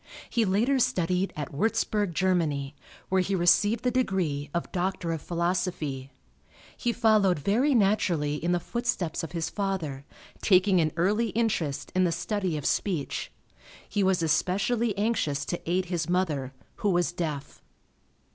He later studied at Warzburg, Germany, where he received the degree of Doctor of Philosophy. He followed very naturally in the footsteps of his father, taking an early interest in the study of speech. He was especially anxious to aid his mother, who was deaf.